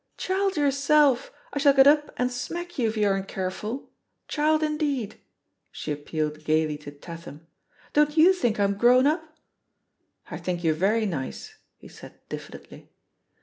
"Child yourself I I shall get up and smack you if you aren't careful. Child, indeed 1" She appealed gaily to Tatham. "Don't yow think I'm grown up?" "I think you're very nice," he said diffidently.